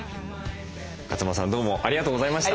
勝間さんどうもありがとうございました。